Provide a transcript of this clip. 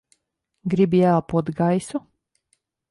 Gribi ieelpot gaisu?